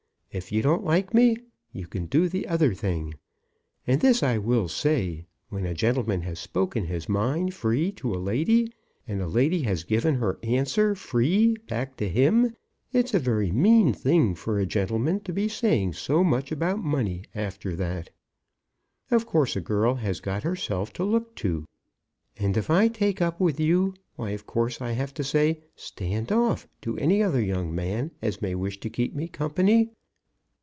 If you don't like me, you can do the other thing. And this I will say, when a gentleman has spoken his mind free to a lady, and a lady has given her answer free back to him, it's a very mean thing for a gentleman to be saying so much about money after that. Of course, a girl has got herself to look to; and if I take up with you, why, of course, I have to say, 'Stand off,' to any other young man as may wish to keep me company.